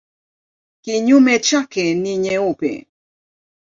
Kinyume chake ni nyeupe.